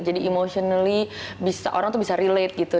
jadi emotionally orang tuh bisa relate gitu